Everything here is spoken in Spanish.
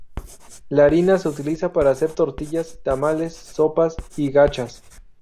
La harina se utiliza para hacer tortillas, tamales, sopas y gachas.